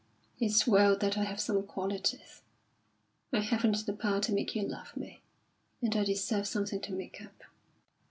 "It's well that I have some qualities. I haven't the power to make you love me, and I deserve something to make up."